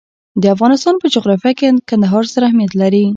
د افغانستان په جغرافیه کې کندهار ستر اهمیت لري.